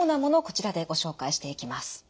こちらでご紹介していきます。